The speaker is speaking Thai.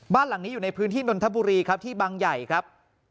บ้านหลังนี้อยู่ในพื้นที่นนทบุรีครับที่บางใหญ่ครับ